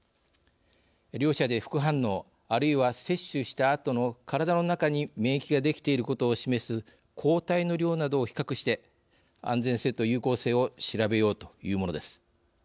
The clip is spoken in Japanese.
両者で副反応、あるいは接種したあとの体の中に免疫ができていることを示す抗体の量などを比較して安全性と有効性を調べようというものです。